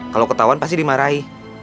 kalau ketahuan pasti dimarahi